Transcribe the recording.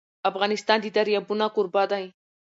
افغانستان د دریابونه کوربه دی.